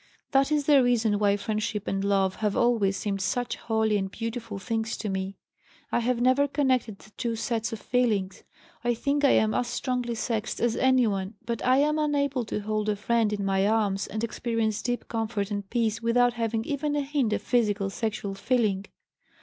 That is the reason why friendship and love have always seemed such holy and beautiful things to me. I have never connected the two sets of feelings. I think I am as strongly sexed as anyone, but I am able to hold a friend in my arms and experience deep comfort and peace without having even a hint of physical sexual feeling.